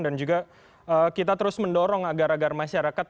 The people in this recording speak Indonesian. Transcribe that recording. dan juga kita terus mendorong agar agar masyarakat